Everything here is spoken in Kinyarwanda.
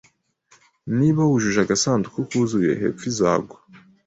Niba wujuje agasanduku kuzuye, hepfo izagwa